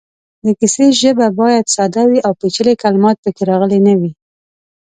د کیسې ژبه باید ساده وي او پېچلې کلمات پکې راغلې نه وي.